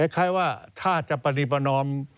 คล้ายว่าถ้าจะปริประนอม